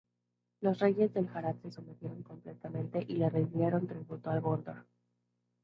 Los reyes del Harad se sometieron completamente y le rindieron tributo a Gondor.